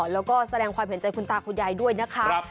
แล้วก็แสดงความเห็นใจคุณตาคุณยายด้วยนะคะ